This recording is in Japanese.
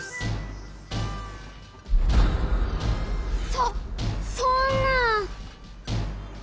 そっそんな！